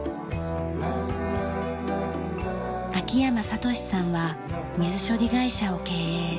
秋山敏さんは水処理会社を経営。